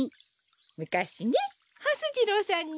むかしねはす次郎さんに。